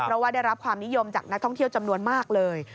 เพราะว่าได้รับความนิยมจากนักท่องเที่ยวจำนวนมากเลย